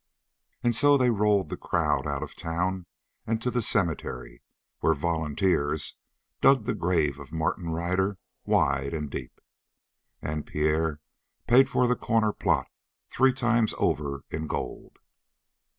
And so they rolled the crowd out of town and to the cemetery, where "volunteers" dug the grave of Martin Ryder wide and deep, and Pierre paid for the corner plot three times over in gold.